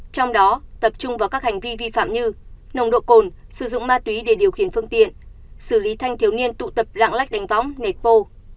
trong đó tập trung vào các hành vi vi phạm như nồng độ cồn sử dụng ma túy để điều khiển phương tiện xử lý thanh thiếu niên tụ tập lạng lách đánh võng nệt pô